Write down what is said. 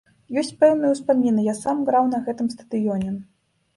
Ёсць пэўныя ўспаміны, я сам граў на гэтым стадыёне.